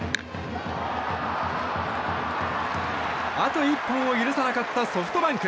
あと１本を許さなかったソフトバンク。